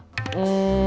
ketemu deezah sama ajeng